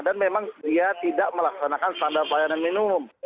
dan memang ya tidak melaksanakan standar pelayanan minimum